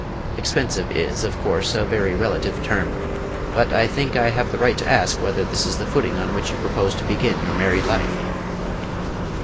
"Expensive is, of course, a very relative term. But I think I have the right to ask whether this is the footing on which you propose to begin your married life?"